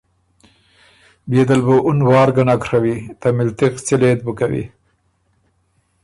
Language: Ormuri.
بيې دل بُو اُن وار ګۀ نک ڒوی، ته مِلتِغ څِلئ ت بُو کوی۔